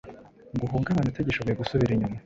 ngo uhungabane utagishoboye gusubira inyuma.